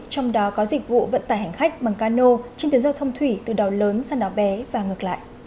trong đó có dịch vụ vận tải hành khách bằng cano trên tuyến giao thông thủy từ đảo lớn sang đảo bé và ngược lại